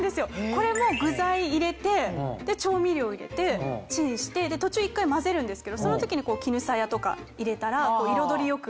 これも具材入れて調味料入れてチンして途中一回混ぜるんですけどその時に絹さやとか入れたら彩りよく。